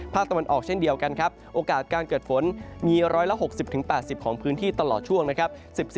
ตะวันออกเช่นเดียวกันครับโอกาสการเกิดฝนมี๑๖๐๘๐ของพื้นที่ตลอดช่วงนะครับ